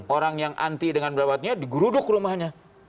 orang yang anti dengan merawatnya digeruduk rumahnya